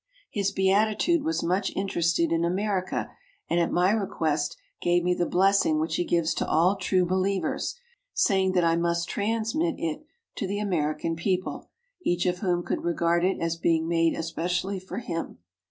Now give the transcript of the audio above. His Beatitude was much interested in America and at my request gave me the blessing which he gives to all 104 A TALK WITH THE GREEK PATRIARCH true believers, saying that I must transmit it to the American people, each of whom could regard it as being made especially for him.